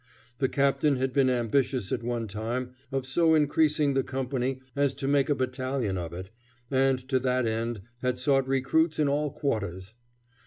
The captain had been ambitious at one time of so increasing the company as to make a battalion of it, and to that end had sought recruits in all quarters.